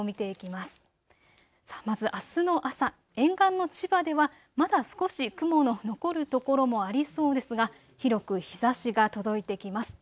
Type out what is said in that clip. まずあすの朝、沿岸の千葉ではまだ少し雲の残る所もありそうですが、広く日ざしが届いてきます。